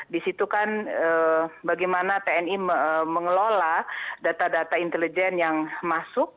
di situ kan bagaimana tni mengelola data data intelijen yang masuk